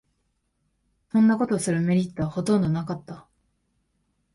そんなことするメリットはほとんどなかった